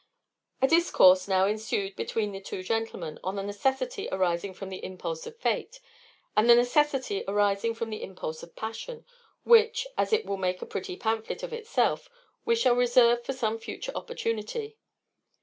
A discourse now ensued between the two gentlemen on the necessity arising from the impulse of fate, and the necessity arising from the impulse of passion, which, as it will make a pretty pamphlet of itself, we shall reserve for some future opportunity.